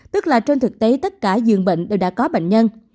tức là trên thực tế tất cả giường bệnh đều đã có bệnh nhân